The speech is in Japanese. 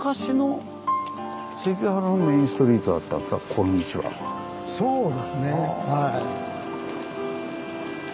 ここはそうですねはい。